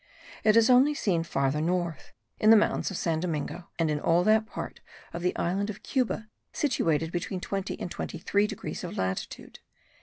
It is only seen further north, in the mountains of San Domingo, and in all that part of the island of Cuba situated between 20 and 23 degrees of latitude.